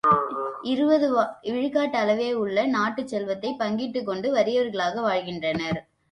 இருபது விழுக்காட்டளவேயுள்ள நாட்டுச் செல்வத்தைப் பங்கிட்டுக்கொண்டு வறியவர்களாக வாழ்கின்றனர்.